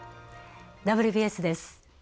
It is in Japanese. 「ＷＢＳ」です。